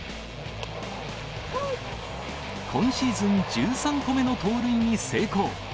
今シーズン１３個目の盗塁に成功。